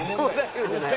夫じゃない。